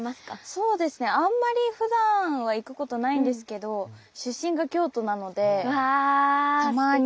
そうですねあんまりふだんは行くことないんですけど出身が京都なのでたまにって感じですかね。